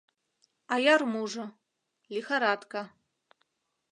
Аярмужо — лихорадка.